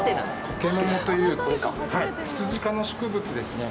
コケモモというツツジ科の植物ですね。